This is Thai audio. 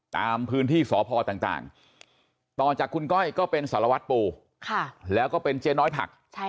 ตามพื้นที่สพต่างต่อจากคุณก้อยก็เป็นสารวัตรปูแล้วก็เป็นเจ๊น้อยผัก